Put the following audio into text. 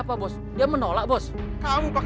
saya salah menolaknya